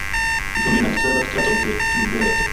Li promenadis tra la stratoj de l'urbeto.